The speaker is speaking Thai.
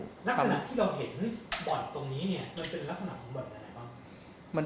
ลักษณะที่เราเห็นบ่อนตรงนี้เนี่ยมันเป็นลักษณะของบ่อนอะไรบ้าง